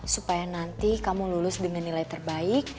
supaya nanti kamu lulus dengan nilai terbaik